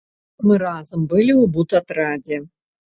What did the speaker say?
Мы разам былі ў будатрадзе.